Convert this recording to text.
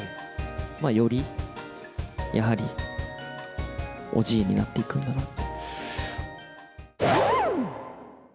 より、やはり、おじいになっていくんだなって。